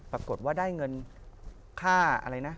ปรากฏว่าได้เงินค่าอะไรนะ